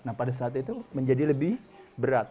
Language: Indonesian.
nah pada saat itu menjadi lebih berat